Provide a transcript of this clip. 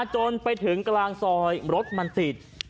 จนไปถึงกลางซอยรถมันติด